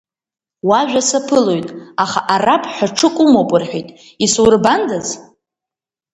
Уажәа саԥылоит, аха Араԥ ҳәа ҽык умоуп рҳәеит, исурбандаз?